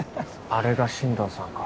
あれが新藤さんか。